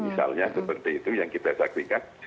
misalnya seperti itu yang kita saksikan